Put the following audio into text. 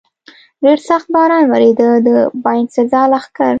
ډېر سخت باران ورېده، د باینسېزا لښکر.